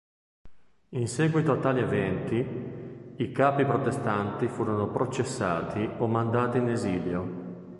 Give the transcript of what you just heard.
In seguito a tali eventi, i capi protestanti furono processati o mandati in esilio.